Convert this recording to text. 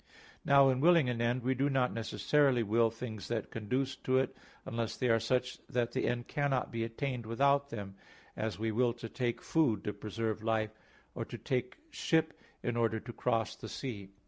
Now in willing an end we do not necessarily will things that conduce to it, unless they are such that the end cannot be attained without them; as, we will to take food to preserve life, or to take ship in order to cross the sea.